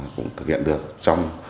cũng thực hiện được trong